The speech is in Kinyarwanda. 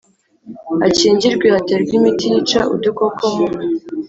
Akingirwe haterwe imiti yica udukoko mu